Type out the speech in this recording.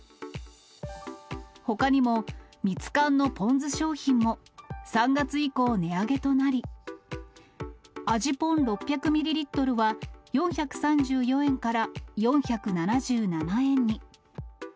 ほかにも、ミツカンのぽん酢商品も、３月以降、値上げとなり、味ぽん６００ミリリットルは４３４円から４７７円に。